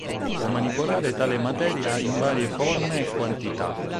Può manipolare tale materia in varie forme e quantità.